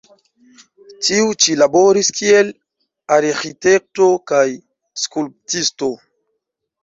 Tiu ĉi laboris kiel arĥitekto kaj skulptisto.